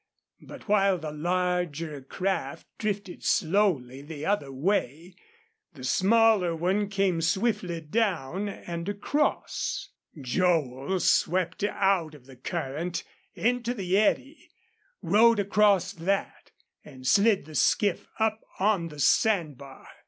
But while the larger craft drifted slowly the other way, the smaller one came swiftly down and across. Joel swept out of the current into the eddy, rowed across that, and slid the skiff up on the sand bar.